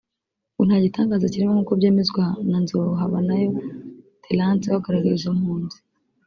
ngo nta gitangaza kirimo nk’uko byemezwa na Nzohabanayo Terrance uhagarariye izo mpunzi